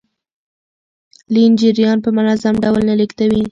لین جریان په منظم ډول نه لیږدوي.